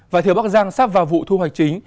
vài thiếu bắc giang sắp vào vụ thu hoạch chính